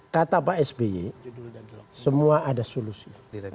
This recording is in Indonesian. kata pak sby semua ada solusi